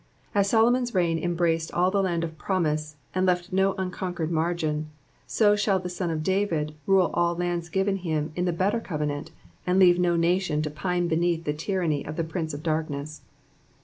As Solomon's realm embraced all the land of promise, and left no unconquered margin ; so shall the Sou of David rule all lands given him in the better cove nant, and leave no nation to pine beneath the tyranny of the prince of darkness.